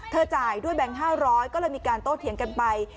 จ่ายด้วยแบงค์๕๐๐ก็เลยมีการโต้เถียงกันไป